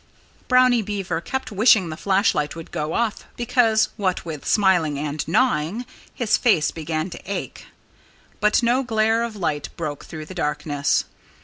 Brownie Beaver kept wishing the flashlight would go off, because what with smiling and gnawing his face began to ache. But no glare of light broke through the darkness.